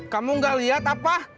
kamu gak lihat apa